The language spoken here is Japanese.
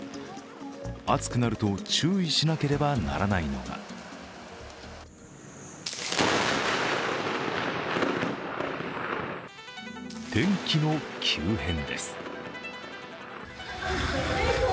暑くなると注意しなければならないのが天気の急変です。